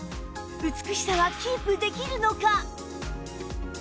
美しさはキープできるのか？